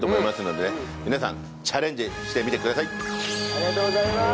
ありがとうございます！